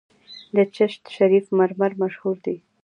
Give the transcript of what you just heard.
د چشت شریف مرمر مشهور دي